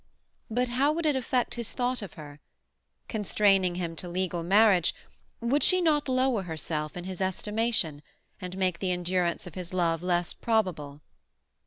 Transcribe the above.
But how would it affect his thought of her? Constraining him to legal marriage, would she not lower herself in his estimation, and make the endurance of his love less probable?